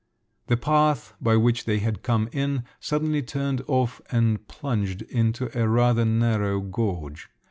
The path, by which they had come in, suddenly turned off and plunged into a rather narrow gorge.